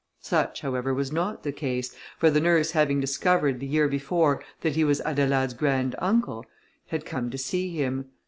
Such, however, was not the case, for the nurse having discovered, the year before, that he was Adelaide's grand uncle, had come to see him.